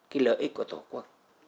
cái lợi ích của tổ quốc